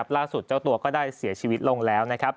ล่าสุดเจ้าตัวก็ได้เสียชีวิตลงแล้ว